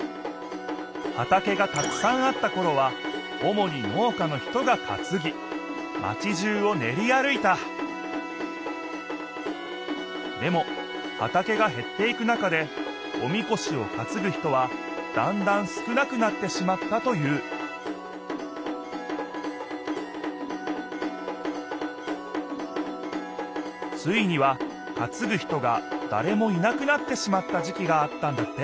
はたけがたくさんあったころはおもに農家の人がかつぎマチじゅうをねり歩いたでもはたけがへっていく中でおみこしをかつぐ人はだんだん少なくなってしまったというついにはかつぐ人がだれもいなくなってしまった時きがあったんだ